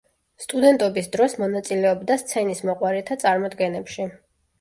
სტუდენტობის დროს მონაწილეობდა სცენისმოყვარეთა წარმოდგენებში.